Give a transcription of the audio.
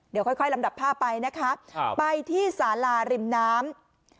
เดี๋ยวค่อยลำดับภาพไปนะคะไปที่สาราริมน้ำ